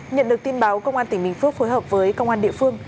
nhận được tin báo công an tỉnh bình phước phối hợp với công an địa phương